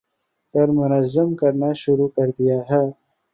کر منظم کرنا شروع کر دیا ہے۔